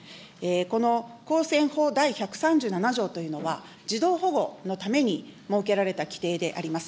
この公選法第１３７条というのは、児童保護のために設けられた規定であります。